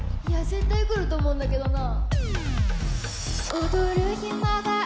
絶対くると思うんだけどな。